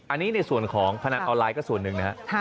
อันนี้ในส่วนของพนันออนไลน์ก็ส่วนหนึ่งนะครับ